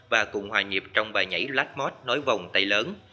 và cùng hòa nhịp trong bài nhảy black mod nối vòng tay lớn